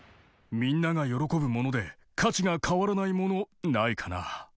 みんなが喜ぶもので価値が代わらないものないかな？